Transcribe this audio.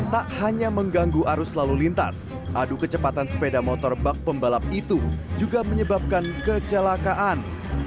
tak hanya mengganggu arus lalu lintas adu kecepatan sepeda motor bak pembalap itu juga menyebabkan kecelakaan